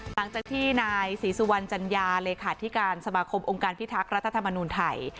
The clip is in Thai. หลังจากที่นายศรีสุวรรณจัญญาเลขาธิการสมาคมองค์การพิทักษ์รัฐธรรมนูญไทย